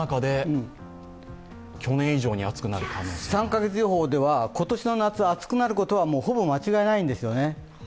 ３カ月予報では、今年の夏、暑くなることはほぼ間違いないんですよね。